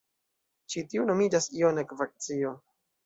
Ĉi tiu nomiĝas jona ekvacio.